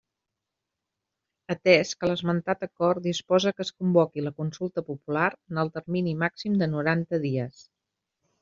Atès que l'esmentat acord disposa que es convoqui la consulta popular en el termini màxim de noranta dies.